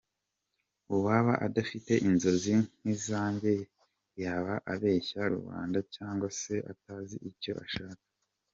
Uwaba adafite inzozi nk’izanjye yaba abeshya rubanda cyangwa se atazi icyo ashaka.